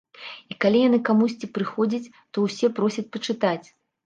І калі яны камусьці прыходзіць, то ўсе просяць пачытаць.